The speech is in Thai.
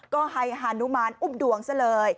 ก็ให้ฮานุมานอุบดวงซะเลย